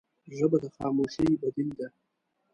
ژبه د خاموشۍ بدیل ده